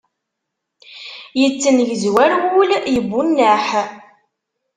Yettengezwar wul yebunneḥ.